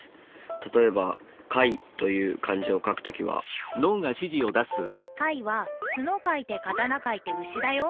例えば「解」という漢字を書く時は解は「角」書いて「刀」書いて「牛」だよ。